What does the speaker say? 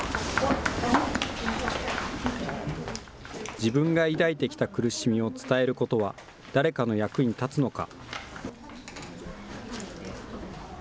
自分が抱いてきた苦しみを伝えることは、誰かの役に立つのか。